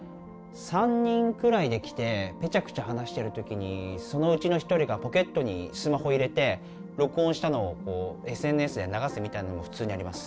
３人くらいで来てぺちゃくちゃ話してる時にそのうちのひとりがポケットにスマホ入れて録音したのをＳＮＳで流すみたいなのも普通にあります。